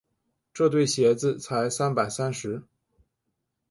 这对鞋子才三百三十。